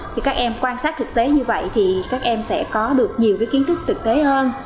thì các em quan sát thực tế như vậy thì các em sẽ có được nhiều cái kiến thức thực tế hơn